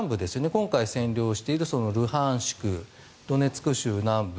今回占領しているルハンシク、ドネツク州南部